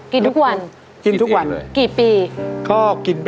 กินทุกวันกินทุกวันกี่ปีกินเองเลย